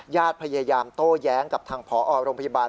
ญาติพยายามโต้แย้งกับทางพอโรงพยาบาล